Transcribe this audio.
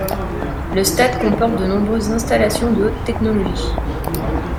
Le stade comporte de nombreuses installations de haute-technologie.